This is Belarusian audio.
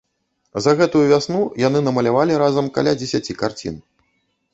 За гэтую вясну яны намалявалі разам каля дзесяці карцін.